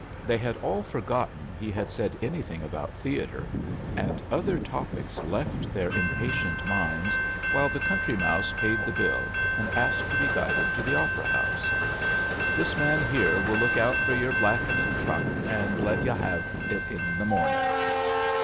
They had all forgotten he had said any thing about theatre; and other topics left their impatient minds while the Country Motfse paid the biU and asked to be guided to the Operar house. "This man here will look out for your blackin* and truck, and let yu' have it in the morning."